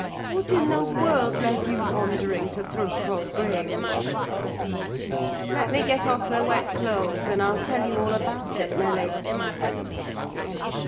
What in the world led you wandering to Thrushcross Grange?" "Let me get off my wet clothes, and I'll tell you all about it, Nelly," he replied.